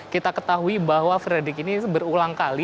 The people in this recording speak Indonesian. kita ketahui bahwa fredrik ini berulang kali